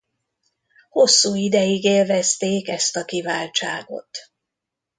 Hosszú ideig élvezték ezt a kiváltságot.